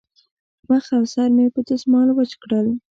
مخ او سر مې په دستمال وچ کړل.